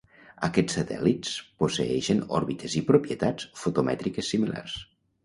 Aquests satèl·lits posseeixen òrbites i propietats fotomètriques similars.